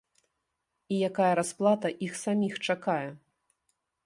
І якая расплата іх саміх чакае.